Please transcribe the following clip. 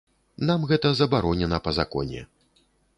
Нам гэта забаронена па законе.